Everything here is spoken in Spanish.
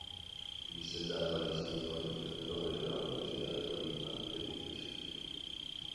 Griselda Álvarez, siendo Rector de la Universidad de Colima el Lic.